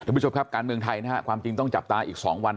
คุณผู้ชมครับการเมืองไทยนะฮะความจริงต้องจับตาอีก๒วัน